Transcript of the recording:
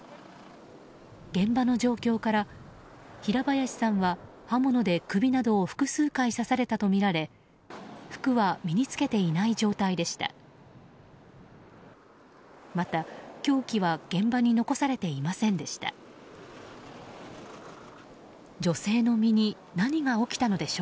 現場の状況から平林さんは刃物で首などを複数回刺されたとみられ服は身に付けていない状態でした。